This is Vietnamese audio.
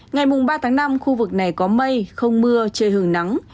ngày mùa ba tháng năm khu vực này có mây không mưa trời hưởng nắng